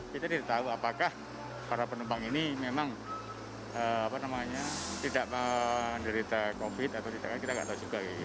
kita tidak tahu apakah para penumpang ini memang tidak menderita covid atau tidak kita tidak tahu juga